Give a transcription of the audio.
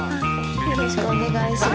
よろしくお願いします。